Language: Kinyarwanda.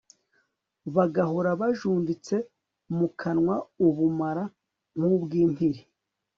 bagahora bajunditse mu kanwa ubumara nk'ubw'impiri